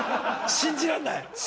信じられない。